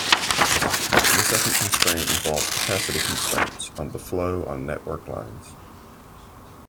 The second constraint involves capacity constraints on the flow on network lines.